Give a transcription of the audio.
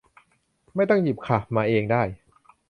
ไม่ต้องหยิบค่ะ มาเองได้